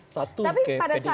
satu ke pdi perjuangan